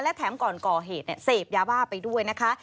และแถมก่อนก่อเหตุเสพยาบ้าไปด้วยนะคะ